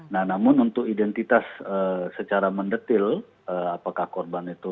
nah namun untuk identitas secara mendetil apakah korban itu